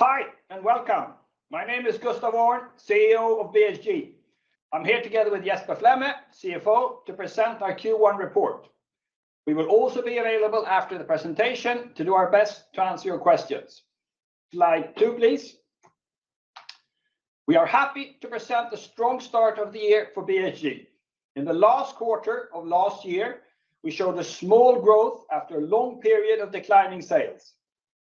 Hi, and welcome. My name is Gustaf Öhrn, CEO of BHG. I'm here together with Jesper Flemme, CFO, to present our Q1 report. We will also be available after the presentation to do our best to answer your questions. Slide 2, please. We are happy to present the strong start of the year for BHG. In the last quarter of last year, we showed a small growth after a long period of declining sales.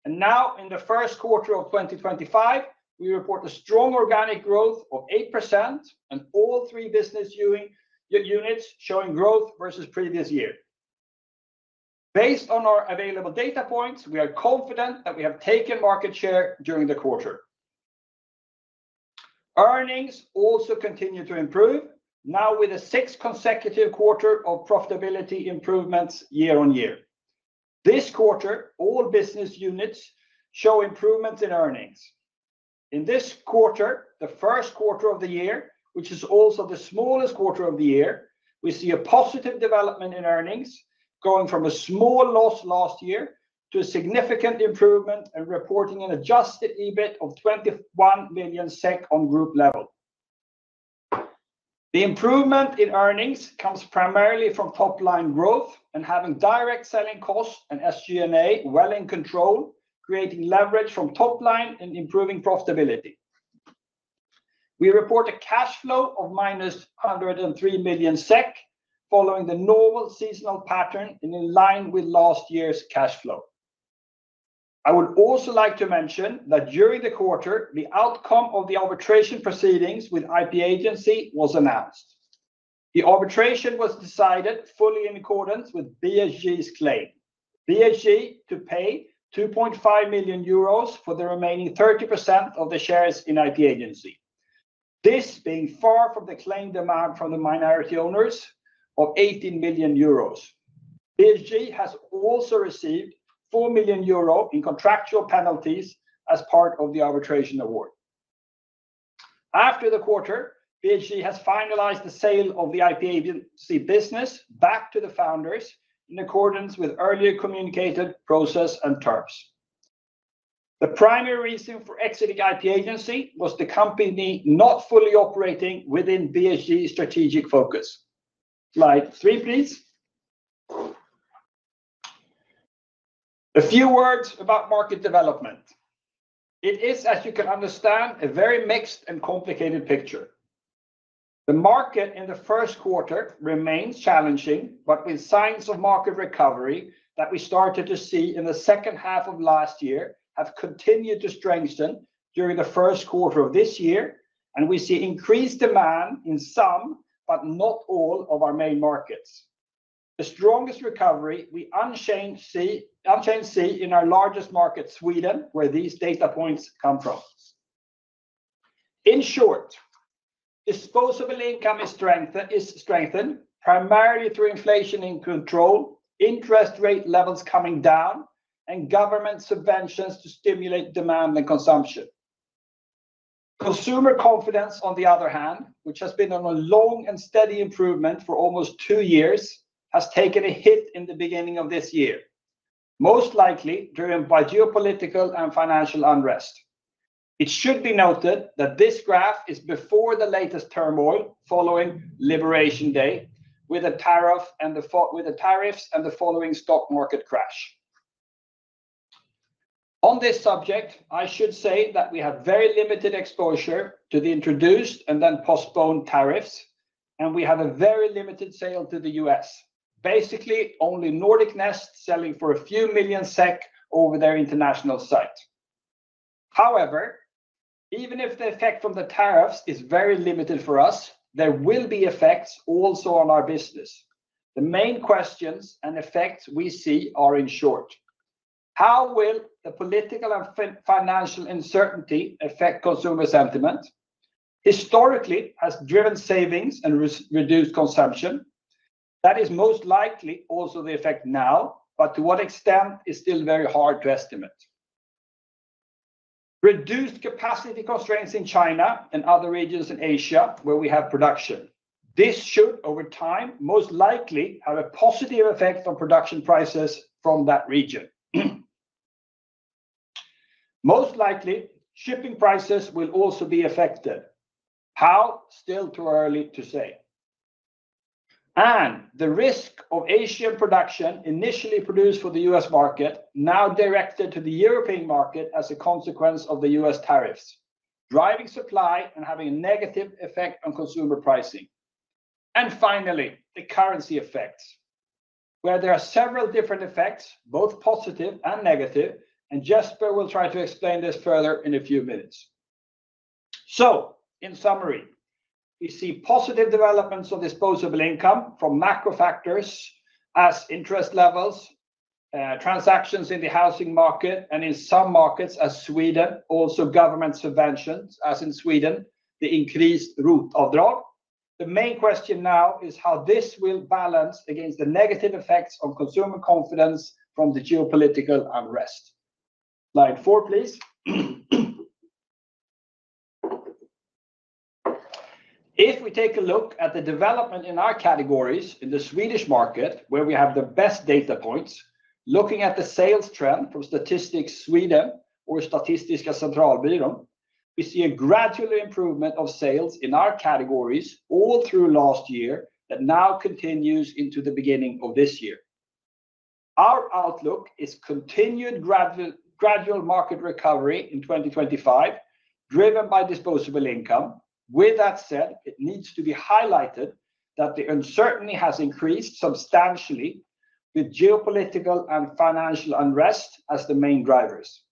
Now, in the first quarter of 2025, we report a strong organic growth of 8%, and all three business units showing growth versus the previous year. Based on our available data points, we are confident that we have taken market share during the quarter. Earnings also continue to improve, now with a sixth consecutive quarter of profitability improvements year-on-year This quarter, all business units show improvements in earnings. In this quarter, the first quarter of the year, which is also the smallest quarter of the year, we see a positive development in earnings, going from a small loss last year to a significant improvement and reporting an adjusted EBIT of 21 million SEK on group level. The improvement in earnings comes primarily from top-line growth and having direct selling costs and SG&A well in control, creating leverage from top-line and improving profitability. We report a cash flow of -103 million SEK, following the normal seasonal pattern and in line with last year's cash flow. I would also like to mention that during the quarter, the outcome of the arbitration proceedings with IP-Agency was announced. The arbitration was decided fully in accordance with BHG's claim. BHG to pay 2.5 million euros for the remaining 30% of the shares in IP-Agency, this being far from the claimed amount from the minority owners of 18 million euros. BHG has also received 4 million euro in contractual penalties as part of the arbitration award. After the quarter, BHG has finalized the sale of the IP-Agency business back to the founders in accordance with earlier communicated process and terms. The primary reason for exiting IP-Agency was the company not fully operating within BHG's strategic focus. Slide 3, please. A few words about market development. It is, as you can understand, a very mixed and complicated picture. The market in the first quarter remains challenging, but with signs of market recovery that we started to see in the second half of last year, have continued to strengthen during the first quarter of this year, and we see increased demand in some, but not all, of our main markets. The strongest recovery we unchanged see in our largest market, Sweden, where these data points come from. In short, disposable income is strengthened primarily through inflation in control, interest rate levels coming down, and government subventions to stimulate demand and consumption. Consumer confidence, on the other hand, which has been on a long and steady improvement for almost two years, has taken a hit in the beginning of this year, most likely driven by geopolitical and financial unrest. It should be noted that this graph is before the latest turmoil following Liberation Day, with the tariffs and the following stock market crash. On this subject, I should say that we have very limited exposure to the introduced and then postponed tariffs, and we have a very limited sale to the U.S., basically only Nordic Nest selling for a few million SEK over their international site. However, even if the effect from the tariffs is very limited for us, there will be effects also on our business. The main questions and effects we see are, in short, how will the political and financial uncertainty affect consumer sentiment? Historically, it has driven savings and reduced consumption. That is most likely also the effect now, but to what extent is still very hard to estimate. Reduced capacity constraints in China and other regions in Asia where we have production. This should, over time, most likely have a positive effect on production prices from that region. Most likely, shipping prices will also be affected. How? Still too early to say. The risk of Asian production, initially produced for the U.S. market, now directed to the European market as a consequence of the U.S. tariffs, driving supply and having a negative effect on consumer pricing. Finally, the currency effects, where there are several different effects, both positive and negative, and Jesper will try to explain this further in a few minutes. In summary, we see positive developments of disposable income from macro factors as interest levels, transactions in the housing market, and in some markets as Sweden, also government subventions, as in Sweden, the increased ROT-avdrag. The main question now is how this will balance against the negative effects of consumer confidence from the geopolitical unrest. Slide 4, please. If we take a look at the development in our categories in the Swedish market, where we have the best data points, looking at the sales trend from Statistics Sweden or Statistiska Centralbyrån, we see a gradual improvement of sales in our categories all through last year that now continues into the beginning of this year. Our outlook is continued gradual market recovery in 2025, driven by disposable income. With that said, it needs to be highlighted that the uncertainty has increased substantially with geopolitical and financial unrest as the main drivers,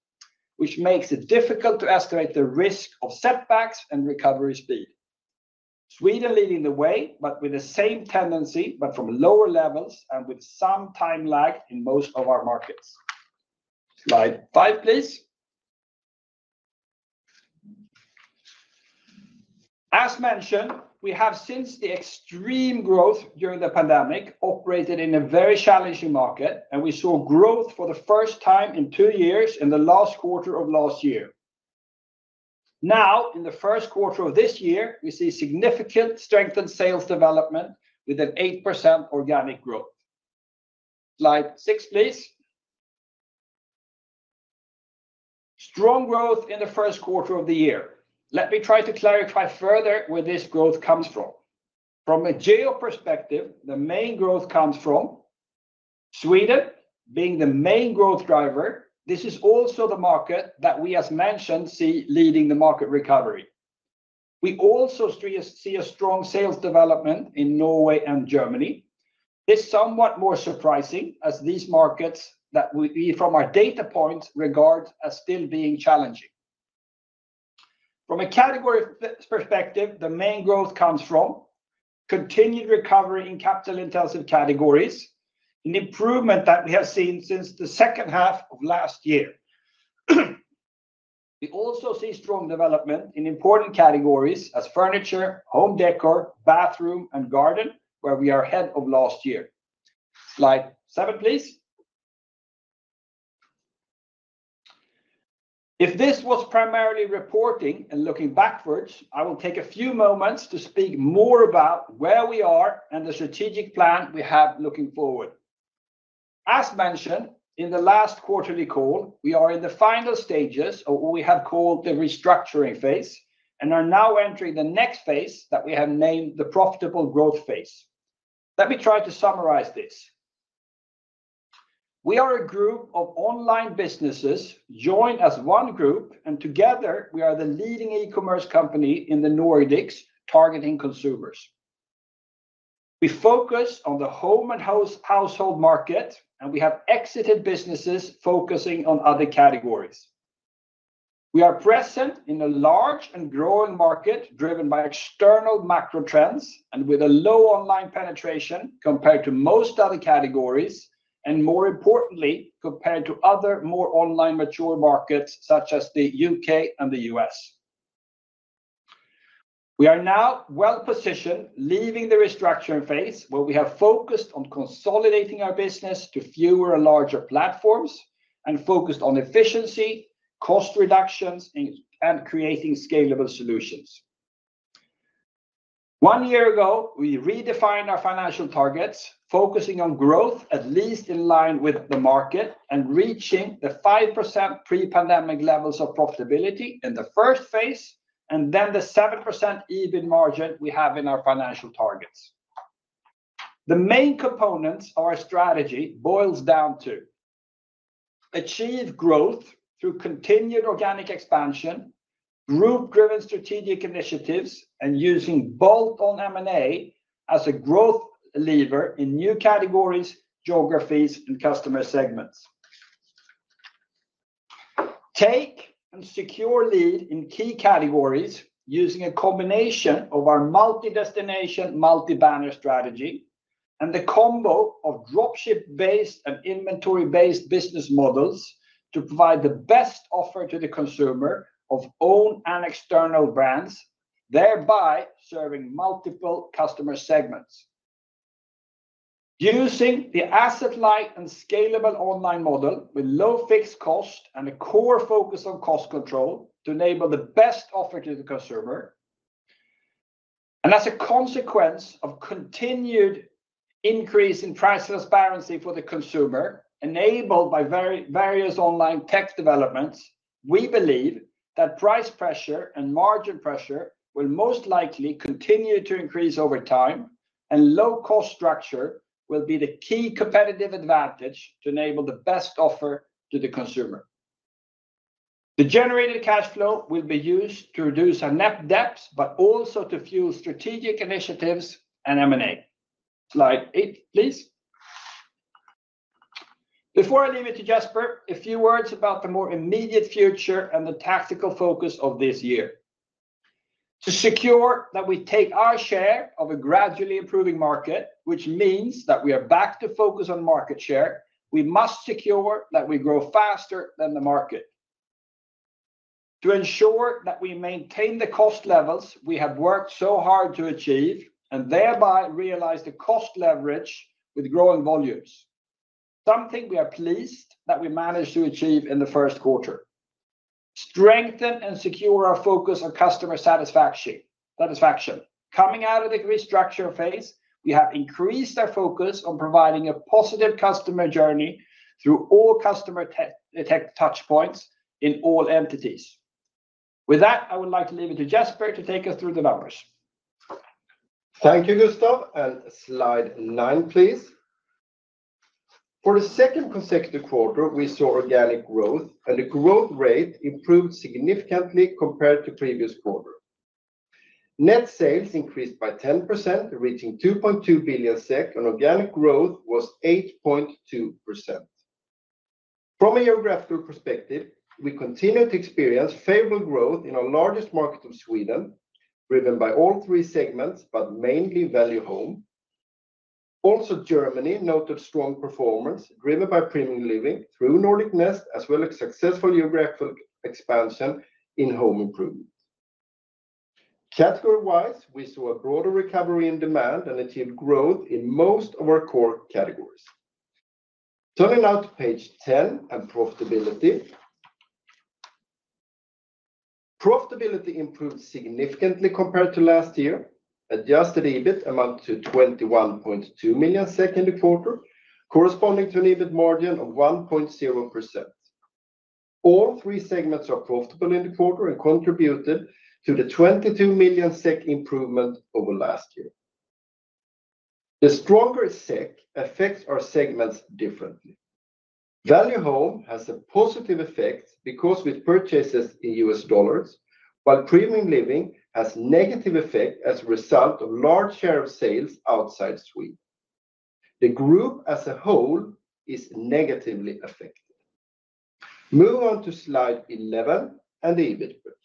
which makes it difficult to escalate the risk of setbacks and recovery speed. Sweden leading the way, but with the same tendency, but from lower levels and with some time lag in most of our markets. Slide 5, please. As mentioned, we have since the extreme growth during the pandemic operated in a very challenging market, and we saw growth for the first time in two years in the last quarter of last year. Now, in the first quarter of this year, we see significant strengthened sales development with an 8% organic growth. Slide 6, please. Strong growth in the first quarter of the year. Let me try to clarify further where this growth comes from. From a geo perspective, the main growth comes from Sweden being the main growth driver. This is also the market that we, as mentioned, see leading the market recovery. We also see a strong sales development in Norway and Germany. This is somewhat more surprising, as these markets that we from our data points regard as still being challenging. From a category perspective, the main growth comes from continued recovery in capital-intensive categories, an improvement that we have seen since the second half of last year. We also see strong development in important categories as furniture, home decor, bathroom, and garden, where we are ahead of last year. Slide 7, please. If this was primarily reporting and looking backwards, I will take a few moments to speak more about where we are and the strategic plan we have looking forward. As mentioned in the last quarterly call, we are in the final stages of what we have called the restructuring phase and are now entering the next phase that we have named the profitable growth phase. Let me try to summarize this. We are a group of online businesses joined as one group, and together we are the leading e-commerce company in the Nordics targeting consumers. We focus on the home and household market, and we have exited businesses focusing on other categories. We are present in a large and growing market driven by external macro trends and with a low online penetration compared to most other categories and, more importantly, compared to other more online mature markets such as the U.K. and the U.S. We are now well-positioned leaving the restructuring phase where we have focused on consolidating our business to fewer and larger platforms and focused on efficiency, cost reductions, and creating scalable solutions. One year ago, we redefined our financial targets, focusing on growth at least in line with the market and reaching the 5% pre-pandemic levels of profitability in the first phase and then the 7% EBIT margin we have in our financial targets. The main components of our strategy boils down to achieve growth through continued organic expansion, group-driven strategic initiatives, and using bolt-on M&A as a growth lever in new categories, geographies, and customer segments. Take and secure lead in key categories using a combination of our multi-destination, multi-banner strategy and the combo of dropship-based and inventory-based business models to provide the best offer to the consumer of own and external brands, thereby serving multiple customer segments. Using the asset-light and scalable online model with low fixed cost and a core focus on cost control to enable the best offer to the consumer. As a consequence of continued increase in price transparency for the consumer, enabled by various online tech developments, we believe that price pressure and margin pressure will most likely continue to increase over time, and low-cost structure will be the key competitive advantage to enable the best offer to the consumer. The generated cash flow will be used to reduce our net debts, but also to fuel strategic initiatives and M&A. Slide 8, please. Before I leave it to Jesper, a few words about the more immediate future and the tactical focus of this year. To secure that we take our share of a gradually improving market, which means that we are back to focus on market share, we must secure that we grow faster than the market. To ensure that we maintain the cost levels we have worked so hard to achieve and thereby realize the cost leverage with growing volumes, something we are pleased that we managed to achieve in the first quarter. Strengthen and secure our focus on customer satisfaction. Coming out of the restructuring phase, we have increased our focus on providing a positive customer journey through all customer touchpoints in all entities. With that, I would like to leave it to Jesper to take us through the numbers. Thank you, Gustaf. Slide 9, please. For the second consecutive quarter, we saw organic growth, and the growth rate improved significantly compared to previous quarter. Net sales increased by 10%, reaching 2.2 billion SEK, and organic growth was 8.2%. From a geographical perspective, we continued to experience favorable growth in our largest market of Sweden, driven by all three segments, but mainly Value Home. Also, Germany noted strong performance driven by Premium Living through Nordic Nest, as well as successful geographical expansion in Home Improvement. Category-wise, we saw a broader recovery in demand and achieved growth in most of our core categories. Turning now to page 10 and profitability. Profitability improved significantly compared to last year, Adjusted EBIT amounted to 21.2 million in the quarter, corresponding to an EBIT margin of 1.0%. All three segments are profitable in the quarter and contributed to the 22 million SEK improvement over last year. The stronger SEK affects our segments differently. Value Home has a positive effect because with purchases in U.S. dollars, while Premium Living has a negative effect as a result of a large share of sales outside Sweden. The group as a whole is negatively affected. Move on to slide 11 and the EBIT bridge.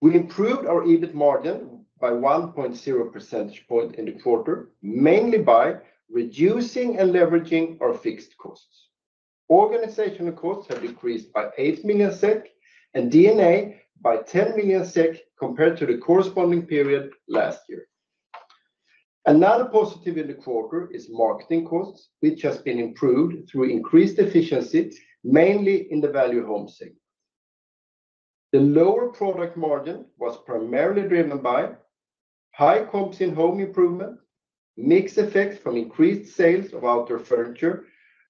We improved our EBIT margin by 1.0 percentage points in the quarter, mainly by reducing and leveraging our fixed costs. Organizational costs have decreased by 8 million SEK and D&A by 10 million SEK compared to the corresponding period last year. Another positive in the quarter is marketing costs, which have been improved through increased efficiency, mainly in the Value Home segment. The lower product margin was primarily driven by high comps in Home Improvement, mixed effects from increased sales of outdoor furniture,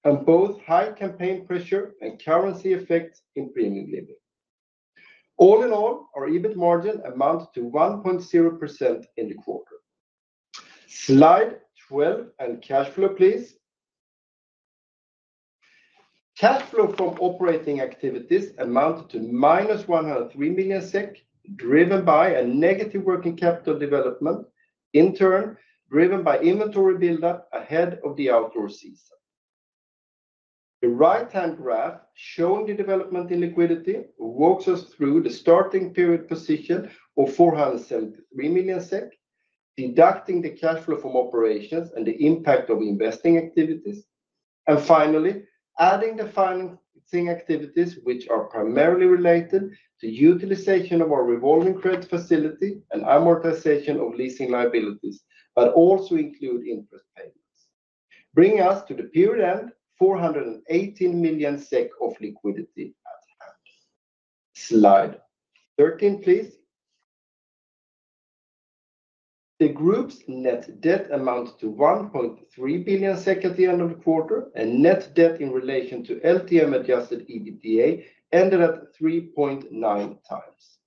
and both high campaign pressure and currency effects in Premium Living. All in all, our EBIT margin amounted to 1.0% in the quarter. Slide 12 and cash flow, please. Cash flow from operating activities amounted to -103 million SEK, driven by a negative working capital development, in turn driven by inventory build-up ahead of the outdoor season. The right-hand graph showing the development in liquidity walks us through the starting period position of 473 million SEK, deducting the cash flow from operations and the impact of investing activities, and finally adding the financing activities, which are primarily related to utilization of our revolving credit facility and amortization of leasing liabilities, but also include interest payments. Bringing us to the period end, 418 million SEK of liquidity. Slide 13, please. The group's net debt amounted to 1.3 billion at the end of the quarter, and net debt in relation to LTM Adjusted EBITDA ended at 3.9x.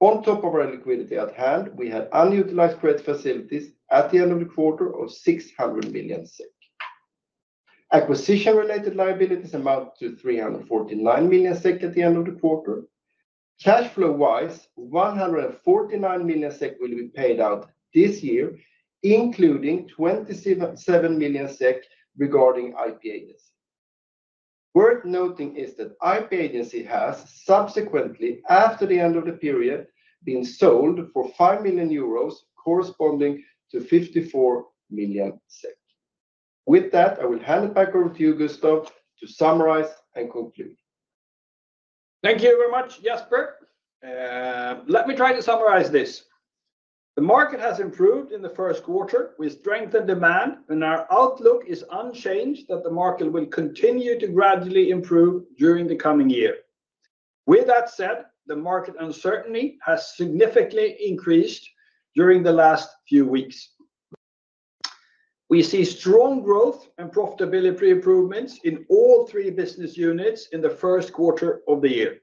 On top of our liquidity at hand, we had unutilized credit facilities at the end of the quarter of 600 million SEK. Acquisition-related liabilities amounted to 349 million SEK at the end of the quarter. Cash flow-wise, 149 million SEK will be paid out this year, including 27 million SEK regarding IP-Agency. Worth noting is that IP-Agency has subsequently, after the end of the period, been sold for 5 million euros, corresponding to 54 million. With that, I will hand it back over to you, Gustaf, to summarize and conclude. Thank you very much, Jesper. Let me try to summarize this. The market has improved in the first quarter with strengthened demand, and our outlook is unchanged that the market will continue to gradually improve during the coming year. With that said, the market uncertainty has significantly increased during the last few weeks. We see strong growth and profitability improvements in all three business units in the first quarter of the year.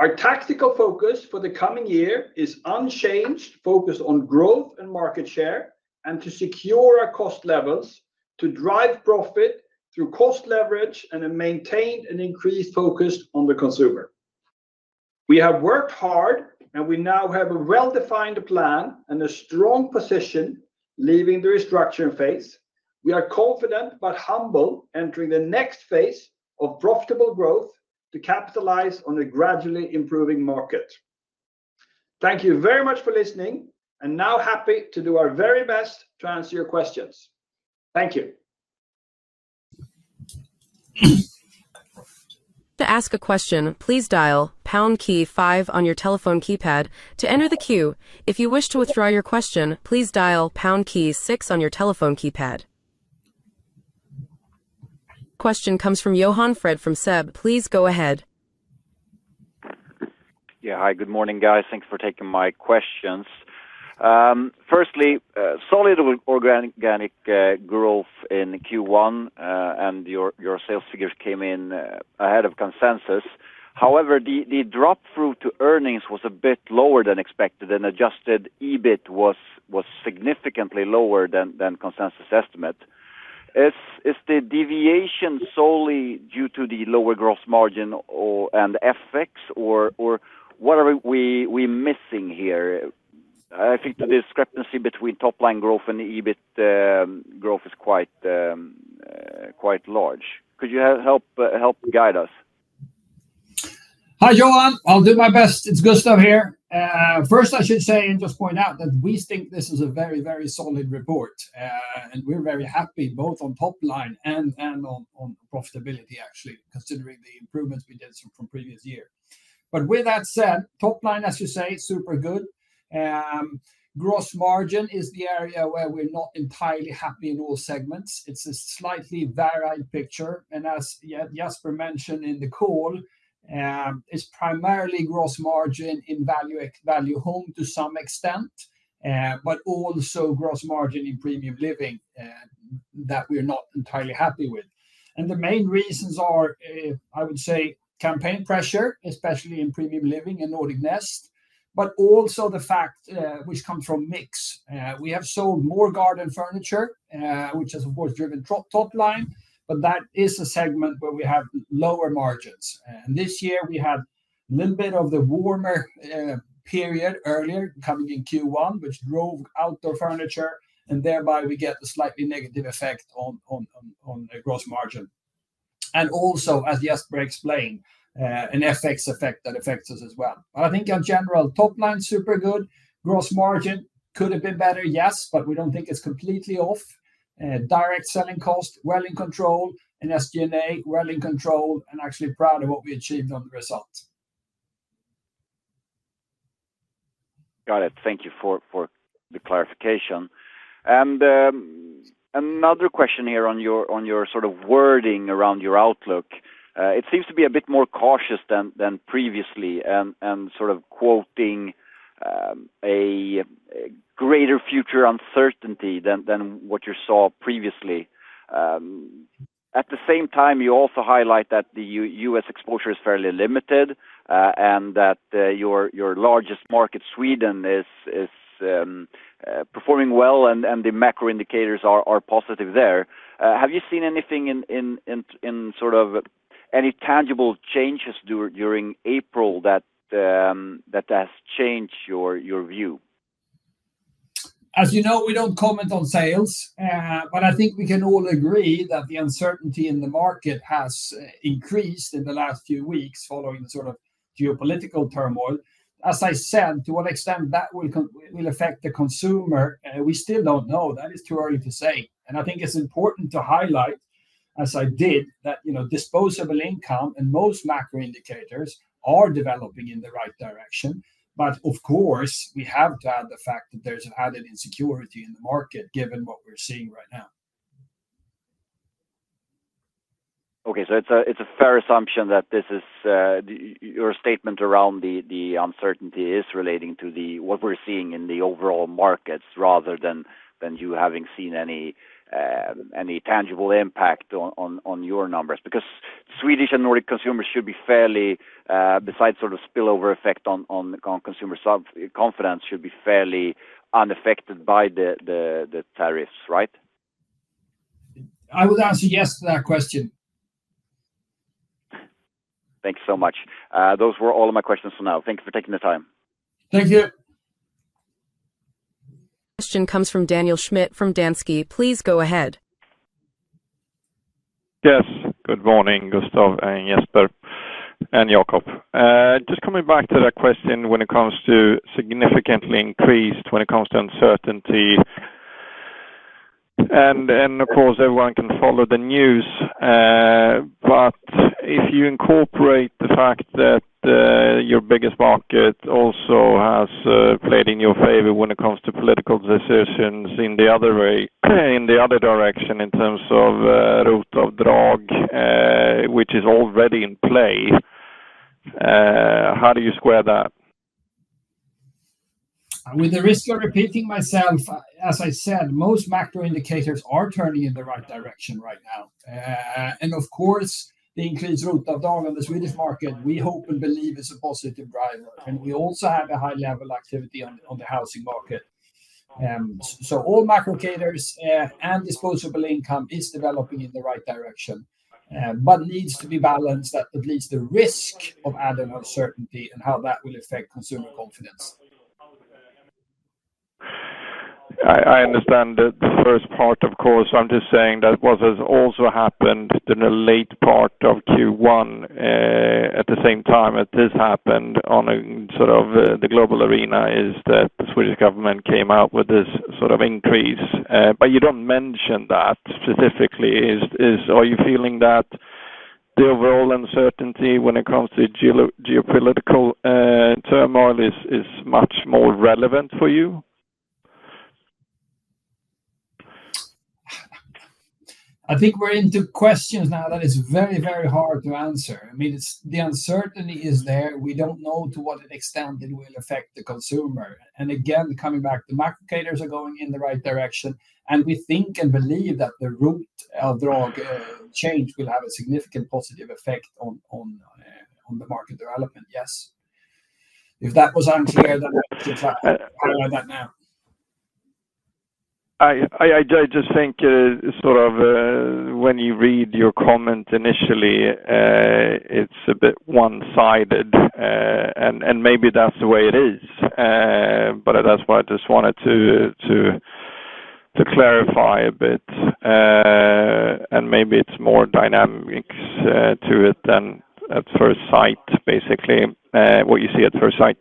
Our tactical focus for the coming year is unchanged, focused on growth and market share and to secure our cost levels to drive profit through cost leverage and maintain an increased focus on the consumer. We have worked hard, and we now have a well-defined plan and a strong position leaving the restructuring phase. We are confident but humble entering the next phase of profitable growth to capitalize on a gradually improving market. Thank you very much for listening, and now happy to do our very best to answer your questions. Thank you. To ask a question, please dial pound key five on your telephone keypad to enter the queue. If you wish to withdraw your question, please dial pound key six on your telephone keypad. Question comes from Johan Fred from SEB. Please go ahead. Yeah, hi, good morning, guys. Thanks for taking my questions. Firstly, solid organic growth in Q1 and your sales figures came in ahead of consensus. However, the drop through to earnings was a bit lower than expected, and Adjusted EBIT was significantly lower than consensus estimate. Is the deviation solely due to the lower gross margin and FX, or what are we missing here? I think the discrepancy between top-line growth and EBIT growth is quite large. Could you help guide us? Hi, Johan. I'll do my best. It's Gustaf here. First, I should say and just point out that we think this is a very, very solid report, and we're very happy both on top line and on profitability, actually, considering the improvements we did from previous year. With that said, top line, as you say, super good. Gross margin is the area where we're not entirely happy in all segments. It's a slightly varied picture. As Jesper mentioned in the call, it's primarily gross margin in Value Home to some extent, but also gross margin in Premium Living that we're not entirely happy with. The main reasons are, I would say, campaign pressure, especially in Premium Living and Nordic Nest, but also the fact which comes from mix. We have sold more garden furniture, which has, of course, driven top line, but that is a segment where we have lower margins. This year, we had a little bit of the warmer period earlier coming in Q1, which drove outdoor furniture, and thereby we get a slightly negative effect on gross margin. Also, as Jesper explained, an FX effect affects us as well. I think in general, top line super good. Gross margin could have been better, yes, but we don't think it's completely off. Direct selling cost well in control, and SG&A well in control, and actually proud of what we achieved on the result. Got it. Thank you for the clarification. Another question here on your sort of wording around your outlook. It seems to be a bit more cautious than previously and sort of quoting a greater future uncertainty than what you saw previously. At the same time, you also highlight that the U.S. exposure is fairly limited and that your largest market, Sweden, is performing well, and the macro indicators are positive there. Have you seen anything in sort of any tangible changes during April that has changed your view? As you know, we do not comment on sales, but I think we can all agree that the uncertainty in the market has increased in the last few weeks following the sort of geopolitical turmoil. As I said, to what extent that will affect the consumer, we still do not know. That is too early to say. I think it is important to highlight, as I did, that disposable income and most macro indicators are developing in the right direction. Of course, we have to add the fact that there is an added insecurity in the market given what we are seeing right now. Okay, so it is a fair assumption that your statement around the uncertainty is relating to what we are seeing in the overall markets rather than you having seen any tangible impact on your numbers because Swedish and Nordic consumers should be fairly, besides sort of spillover effect on consumer confidence, should be fairly unaffected by the tariffs, right? I would answer yes to that question. Thanks so much. Those were all of my questions for now. Thank you for taking the time. Thank you. Question comes from Daniel Schmidt from Danske. Please go ahead. Yes, good morning, Gustaf and Jesper and Jacob. Just coming back to that question when it comes to significantly increased when it comes to uncertainty. Of course, everyone can follow the news, but if you incorporate the fact that your biggest market also has played in your favor when it comes to political decisions in the other direction in terms of ROT-avdrag, which is already in play, how do you square that? With the risk of repeating myself, as I said, most macro indicators are turning in the right direction right now. Of course, the increased ROT-avdrag on the Swedish market, we hope and believe is a positive driver. We also have a high level of activity on the housing market. All macro cadres and disposable income is developing in the right direction, but needs to be balanced at least the risk of added uncertainty and how that will affect consumer confidence. I understand the first part, of course. I'm just saying that what has also happened in the late part of Q1 at the same time as this happened on sort of the global arena is that the Swedish government came out with this sort of increase. You do not mention that specifically. Are you feeling that the overall uncertainty when it comes to geopolitical turmoil is much more relevant for you? I think we're into questions now that it's very, very hard to answer. I mean, the uncertainty is there. We do not know to what extent it will affect the consumer. Again, coming back, the macro cadres are going in the right direction. We think and believe that the ROT-avdrag change will have a significant positive effect on the market development, yes. If that was unclear, I will just highlight that now. I just think when you read your comment initially, it is a bit one-sided, and maybe that is the way it is. That is why I just wanted to clarify a bit. Maybe there is more dynamics to it than at first sight, basically, what you see at first sight.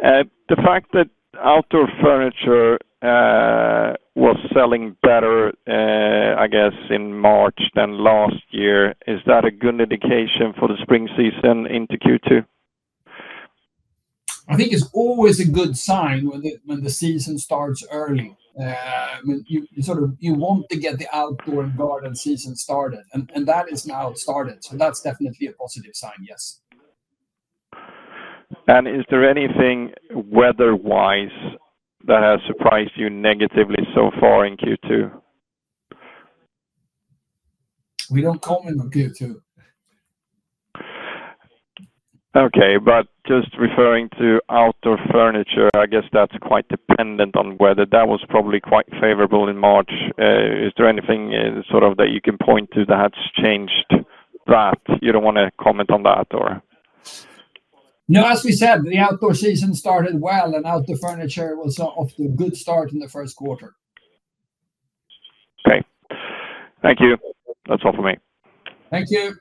The fact that outdoor furniture was selling better, I guess, in March than last year, is that a good indication for the spring season into Q2? I think it is always a good sign when the season starts early. You want to get the outdoor and garden season started, and that is now started. That is definitely a positive sign, yes. Is there anything weather-wise that has surprised you negatively so far in Q2? We do not comment on Q2. Okay, but just referring to outdoor furniture, I guess that is quite dependent on weather. That was probably quite favorable in March. Is there anything that you can point to that has changed that? You do not want to comment on that, or? No, as we said, the outdoor season started well, and outdoor furniture was off to a good start in the first quarter. Okay. Thank you. That is all for me. Thank you.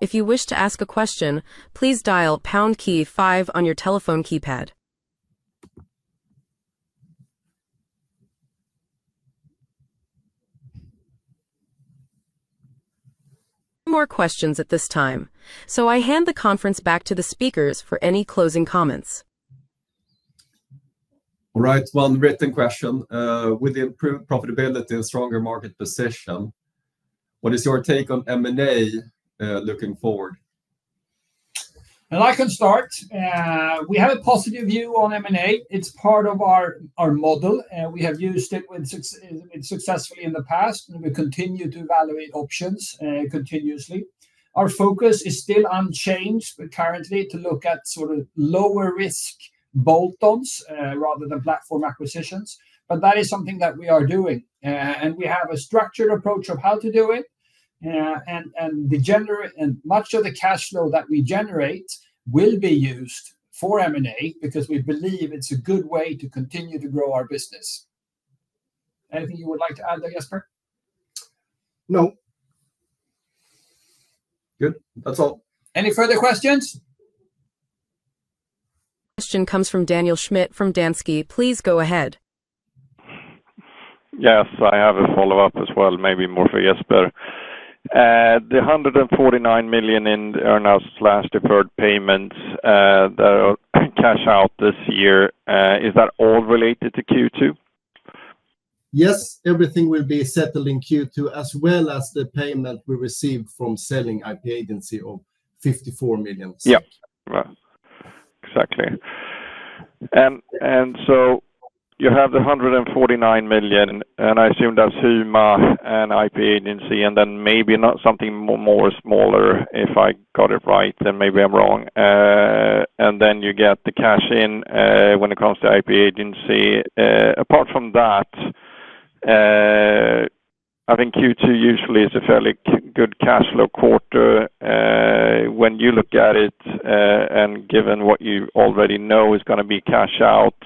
If you wish to ask a question, please dial pound key five on your telephone keypad. No more questions at this time. I hand the conference back to the speakers for any closing comments. All right, one written question. With improved profitability and stronger market position, what is your take on M&A looking forward? I can start. We have a positive view on M&A. It's part of our model. We have used it successfully in the past, and we continue to evaluate options continuously. Our focus is still unchanged currently to look at sort of lower risk bolt-ons rather than platform acquisitions. That is something that we are doing. We have a structured approach of how to do it. Much of the cash flow that we generate will be used for M&A because we believe it's a good way to continue to grow our business. Anything you would like to add there, Jesper? No. Good. That's all. Any further questions? Question comes from Daniel Schmidt from Danske. Please go ahead. Yes, I have a follow-up as well, maybe more for Jesper. The 149 million in earnest/deferred payments that are cashed out this year, is that all related to Q2? Yes, everything will be settled in Q2 as well as the payment we received from selling IP Agency of 54 million. Yeah, exactly. You have the 149 million, and I assume that's Huma and IP Agency, and then maybe something more smaller if I got it right, and maybe I'm wrong. You get the cash in when it comes to IP Agency. Apart from that, I think Q2 usually is a fairly good cash flow quarter. When you look at it and given what you already know is going to be cashed out,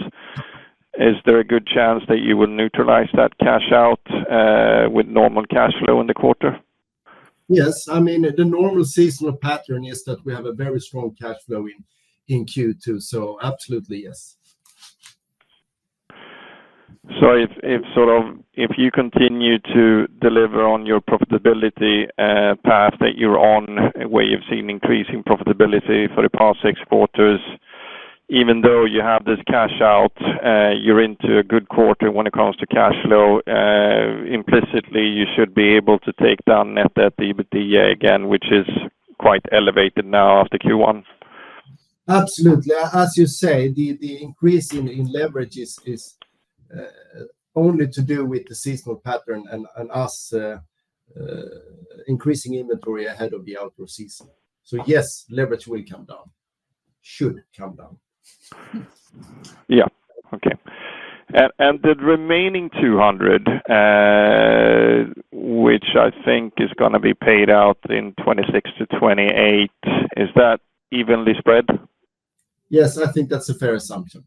is there a good chance that you will neutralize that cash out with normal cash flow in the quarter? Yes. I mean, the normal seasonal pattern is that we have a very strong cash flow in Q2. Absolutely, yes. If you continue to deliver on your profitability path that you're on, where you've seen increasing profitability for the past six quarters, even though you have this cash out, you're into a good quarter when it comes to cash flow. Implicitly, you should be able to take down net debt EBITDA again, which is quite elevated now after Q1. Absolutely. As you say, the increase in leverage is only to do with the seasonal pattern and us increasing inventory ahead of the outdoor season. Yes, leverage will come down, should come down. Okay. The remaining 200 million, which I think is going to be paid out in 2026 to 2028, is that evenly spread? Yes, I think that's a fair assumption.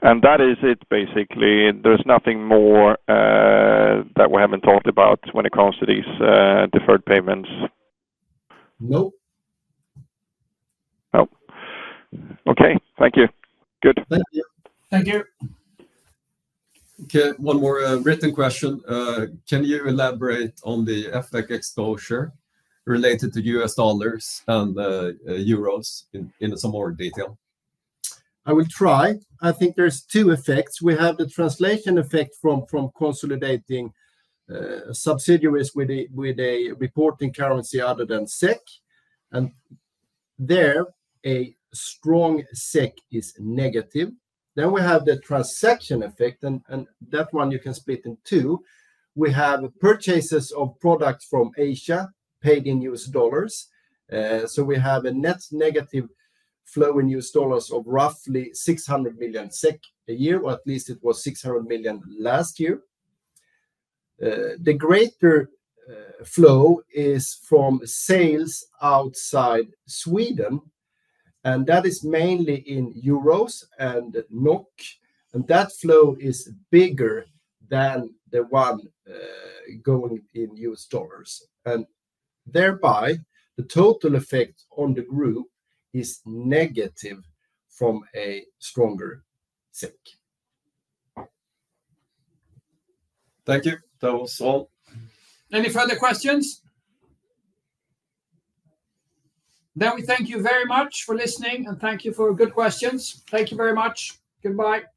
That is it, basically. There's nothing more that we haven't talked about when it comes to these deferred payments? No. No. Okay. Thank you. Good. Thank you. Okay. One more written question. Can you elaborate on the effect exposure related to U.S. dollars and euros in some more detail? I will try. I think there's two effects. We have the translation effect from consolidating subsidiaries with a reporting currency other than SEK. There, a strong SEK is negative. We have the transaction effect, and that one you can split in two. We have purchases of products from Asia paid in U.S. dollars. We have a net negative flow in U.S. dollars of roughly 600 million SEK a year, or at least it was 600 million last year. The greater flow is from sales outside Sweden, and that is mainly in euros and NOK. That flow is bigger than the one going in U.S. dollars. Thereby, the total effect on the group is negative from a stronger SEK. Thank you. That was all. Any further questions? We thank you very much for listening, and thank you for good questions. Thank you very much. Goodbye.